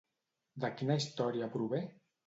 De quina història prové?